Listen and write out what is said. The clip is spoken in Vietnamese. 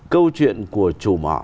câu chuyện của chủ mỏ